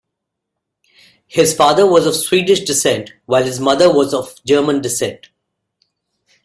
His father was of Swedish descent, while his mother was of German descent.